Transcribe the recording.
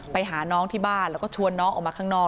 ไปหาน้องที่บ้านแล้วก็ชวนน้องออกมาข้างนอก